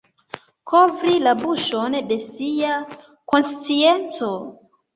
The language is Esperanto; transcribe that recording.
Kovri la buŝon de sia konscienco.